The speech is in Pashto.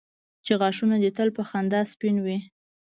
چې غاښونه دي تل په خندا سپین وي.